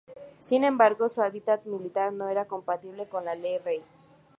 Sin embargo, su habilidad militar no era comparable con la del rey.